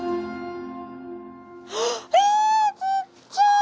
えっちっちゃい！